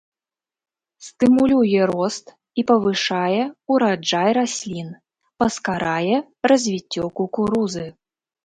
Стымулюе рост і павышае ўраджай раслін, паскарае развіццё кукурузы.